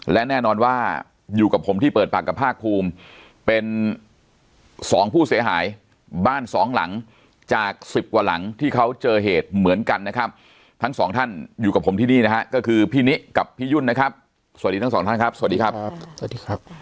และแน่นอนว่าอยู่กับผมที่เปิดปากกับภาคภูมิเป็นสองผู้เสียหายบ้านสองหลังจากสิบกว่าหลังที่เขาเจอเหตุเหมือนกันนะครับทั้งสองท่านอยู่กับผมที่นี่นะฮะก็คือพี่นิกับพี่ยุ่นนะครับสวัสดีทั้งสองท่านครับสวัสดีครับสวัสดีครับ